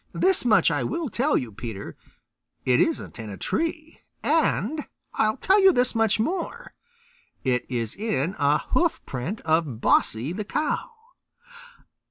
This much I will tell you, Peter: it isn't in a tree. And I'll tell you this much more: it is in a hoofprint of Bossy the Cow."